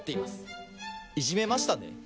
いじめましたね？